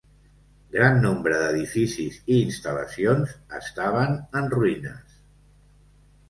Gran nombre d'edificis i instal·lacions estaven en ruïnes.